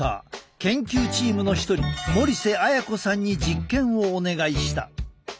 研究チームの一人森綾子さんに実験をお願いした。